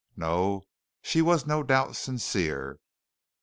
No, she was no doubt sincere.